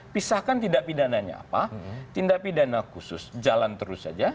pisahkan tindak pidananya apa tindak pidana khusus jalan terus saja